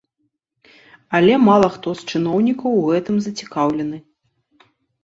Але мала хто з чыноўнікаў у гэтым зацікаўлены.